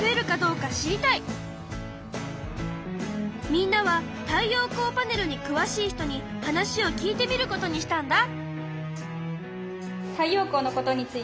みんなは太陽光パネルにくわしい人に話を聞いてみることにしたんだ。